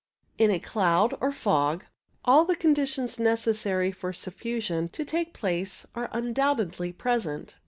In a cloud, or fog, all the conditions necessary for surfusion to take place are undoubtedly present.